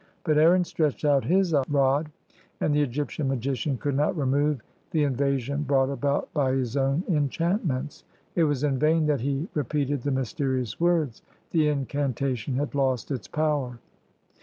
But Aaron stretched out his rod and the Egyptian magician could not remove the invasion brought about by his own enchantments. It was in vain that he re peated the mysterious words, the incantation had lost its power.